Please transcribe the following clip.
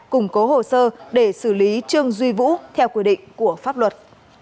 củng cố hồ sơ để xử lý trương duy vũ theo quy định của pháp luật